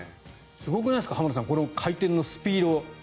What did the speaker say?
すごくないですか、浜田さんこの回転のスピード。